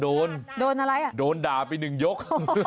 โดนอะไรอะโดนดาไปหนึ่งยก